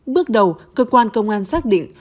bước đầu cơ quan công an xác định